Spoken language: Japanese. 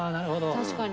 確かに。